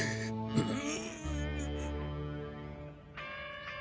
うん。